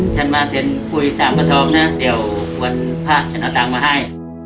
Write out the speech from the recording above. ฉันมาเต็มปุ๋ย๓ผสมนะเดี๋ยวควรพ่อฉันเอาตังมาให้